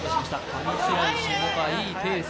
上白石萌歌、いいペース。